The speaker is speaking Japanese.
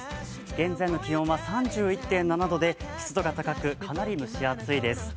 現在の気温は３１．７度で、湿度が高く、かなり蒸し暑いです。